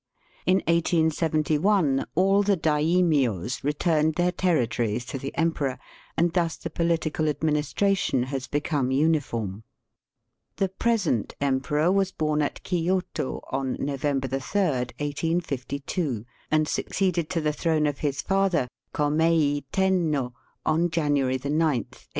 In 1871 all the daimios returned their territories to the emperor, and thus the political administration has become uniform. The present emperor was bom at Kioto on November 3, 1862, and succeeded to the throne of his father, Komei Tenno, on January 9, 1868.